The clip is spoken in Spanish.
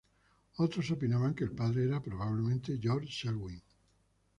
Otros opinaban que el padre era, probablemente, George Selwyn.